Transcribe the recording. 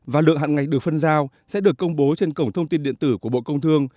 và lượng hạn ngạch được phân giao sẽ được công bố trên cổng thông tin điện tử của bộ công thương